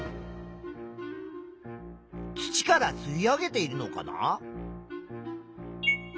土からすい上げているのかな？